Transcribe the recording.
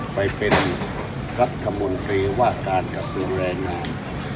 ไปเป็นรัฐมนตรีว่าการกระทรวงแรงงาน